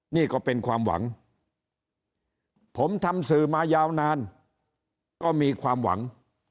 นี่ก็เป็นความหวังผมทำสื่อมายาวนานก็มีความหวัง